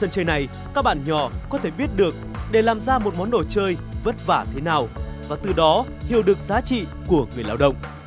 trên này các bạn nhỏ có thể biết được để làm ra một món đồ chơi vất vả thế nào và từ đó hiểu được giá trị của người lao động